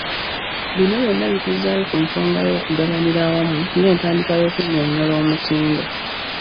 Bino byonna bituzzaayo ku nsonga y’okugabanira awamu ng’entandikwa y’okunnyonnyola omutindo.